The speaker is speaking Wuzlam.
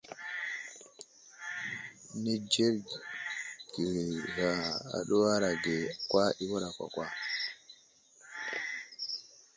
Nenzərge aduwar age kwa i wura kwakwa.